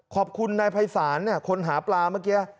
ขอบคุณนายภัยศาลคนหาปลาเมื่อกี้